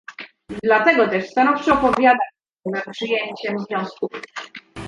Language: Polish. Dlatego też stanowczo opowiadam się za przyjęciem wniosków